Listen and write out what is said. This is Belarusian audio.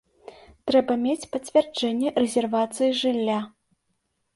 Трэба мець пацвярджэнне рэзервацыі жылля.